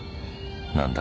何だ？